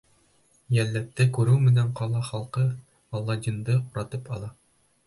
Йәлләтте күреү менән ҡала халҡы Аладдинды уратып ала.